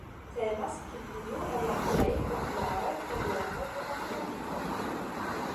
Temas pri unu el la plej popularaj problemoj de matematiko.